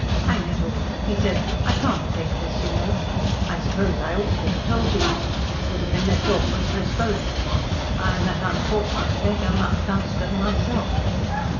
"Hang it all," he said, "I can't take this, you know. I suppose I ought to have told you. It would have been less awkward for us both. I am that unfortunate beggar, Mount Dunstan, myself."